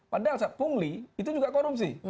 padahal saat pungli itu juga korupsi